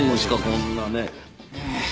こんなねえ。